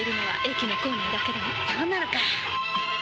そうなのか。